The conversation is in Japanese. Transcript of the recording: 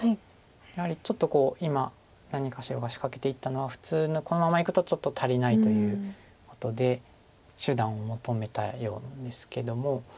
やはりちょっと今何か白が仕掛けていったのはこのままいくとちょっと足りないということで手段を求めたようなんですけども。